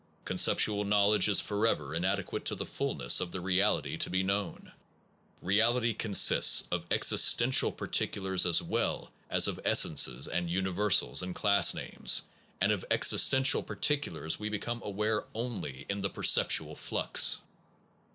Conceptual knowledge is forever inadequate to the fulness of the reality to be known. Reality consists of existential particulars as well as of essences and universals and class names, and of exist ential particulars we become aware only in the perceptual flux.